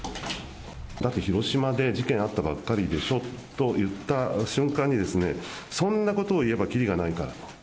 だって、広島で事件あったばっかりでしょと言った瞬間に、そんなことを言えばきりがないから。